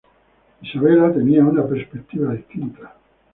Isabella tenía una perspectiva distinta.